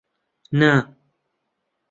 نا.